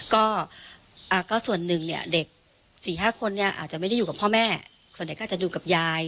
ก็ส่วนหนึ่งเนี่ยเด็ก๔๕คนเนี่ยอาจจะไม่ได้อยู่กับพ่อแม่ส่วนใหญ่ก็อาจจะอยู่กับยาย